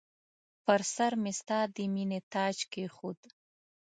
پر سرمې ستا د مییني تاج کښېښود